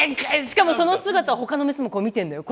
しかもその姿ほかのメスも見てんだよ